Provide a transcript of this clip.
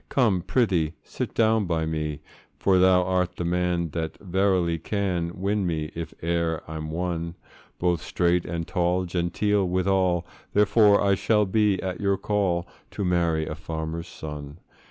Come, prythee sit down by me; For thou art the man that verily can Win me, if e'er I'm won; Both straight and tall, genteel withal; Therefore, I shall be at your call, To marry a farmer's son.